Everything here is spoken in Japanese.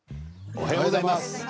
おはようございます。